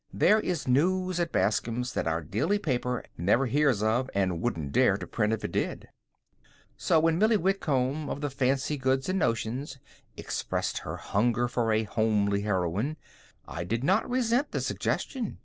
There is news at Bascom's that our daily paper never hears of, and wouldn't dare print if it did. So when Millie Whitcomb, of the fancy goods and notions, expressed her hunger for a homely heroine, I did not resent the suggestion.